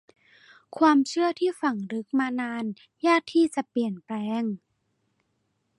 ความเชื่อที่ฝังลึกมานานยากที่จะเปลี่ยนแปลง